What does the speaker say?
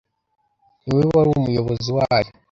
Ni we wari umuyobozi wayo